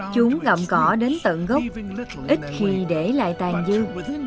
chúng gặm cỏ đến tận gốc ít khi để lại tàn dương